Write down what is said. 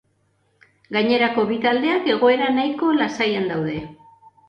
Gainerako bi taldeak egoera nahiko lasaian daude.